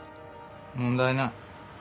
問題ない。